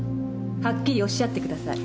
はっきりおっしゃってください。